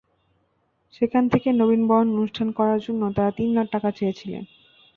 সেখান থেকে নবীনবরণ অনুষ্ঠান করার জন্য তাঁরা তিন লাখ টাকা চেয়েছিলেন।